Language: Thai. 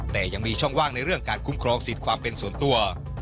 แต่ยังมีช่องว่างในเรื่องการคุ้มครองสิทธิ์ความเป็นส่วนตัว